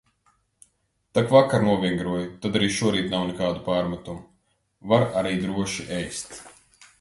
Tak vakar novingroju, tad arī šorīt nav nekādu pārmetumu – var arī droši ēst.